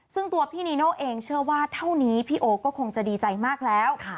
ซึ่งตัวพี่นีโน่เองเชื่อว่าเท่านี้พี่โอ๊คก็คงจะดีใจมากแล้ว